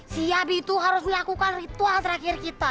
si abi itu harus melakukan ritual terakhir kita